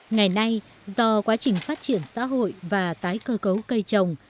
ngày nay do quá trình phát triển xã hội và tổng thể